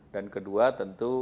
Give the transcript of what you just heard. dan kedua tentu sekarang